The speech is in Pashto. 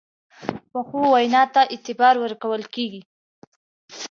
پخو وینا ته اعتبار ورکول کېږي